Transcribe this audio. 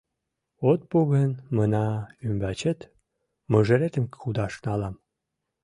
От пу гын, мына, ӱмбачет мыжеретым кудаш налам.